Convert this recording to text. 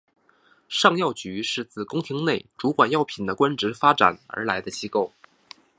尚药局是自宫廷内主管药品的官职发展而来的机构。